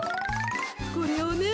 これをね